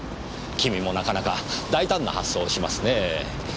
君もなかなか大胆な発想をしますねぇ。